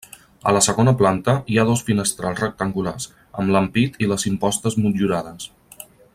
A la segona planta hi ha dos finestrals rectangulars, amb l'ampit i les impostes motllurades.